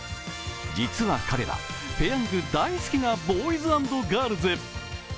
実は彼ら、ぺヤング大好きなボーイズ＆ガールズ。